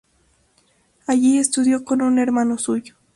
Allí estudió con un hermano suyo.